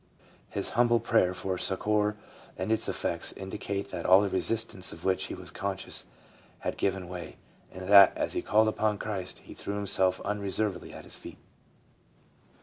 His humble prayer for succor, and its effect, indicate that all the resistance of which he was conscious had given way, and that, as he called upon Christ, he threw himself unre servedly at his feet.